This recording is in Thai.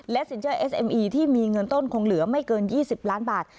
สินเชื่อเอสเอ็มอีที่มีเงินต้นคงเหลือไม่เกิน๒๐ล้านบาท